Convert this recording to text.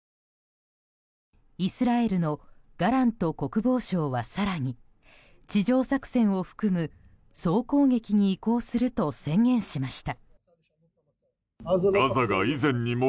イスラエルのガラント国防相は更に、地上作戦を含む総攻撃に移行すると宣言しました。